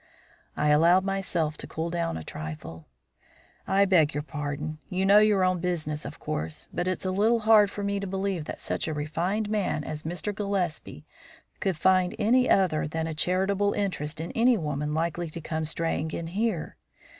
I allowed myself to cool down a trifle. "I beg your pardon; you know your own business, of course. But it's a little hard for me to believe that such a refined man as Mr. Gillespie could find any other than a charitable interest in any woman likely to come straying in here.